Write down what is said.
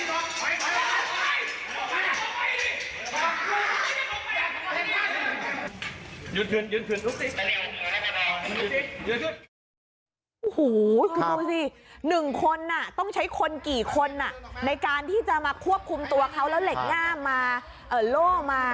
โอ้โฮดูสิหนึ่งคนน่ะต้องใช้คนกี่คนน่ะในการที่จะมาควบคุมตัวเขาแล้วเหล็กง่ามาโล่มา